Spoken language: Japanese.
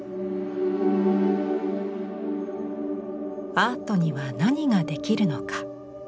アートには何ができるのか？